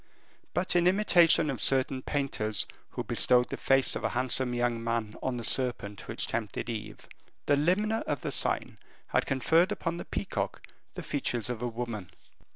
But, in imitation of certain painters who bestowed the face of a handsome young man on the serpent which tempted Eve, the limner of the sign had conferred upon the peacock the features of a woman.